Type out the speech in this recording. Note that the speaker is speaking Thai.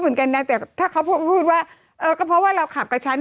เหมือนกันนะแต่ถ้าเขาพูดว่าเออก็เพราะว่าเราขับกับฉัน